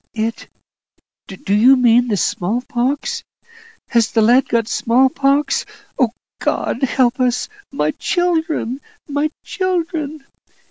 "It do you mean the small pox? Has the lad got small pox? Oh, God help us! My children my children!"